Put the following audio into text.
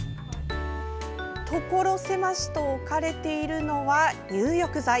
ところ狭しと置かれているのは入浴剤。